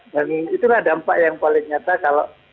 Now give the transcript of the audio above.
dan itulah dampak yang paling nyata kalau